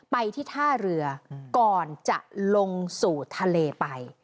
ไปที่ท่าเรือก่อนจะลงสู่ทะเลไป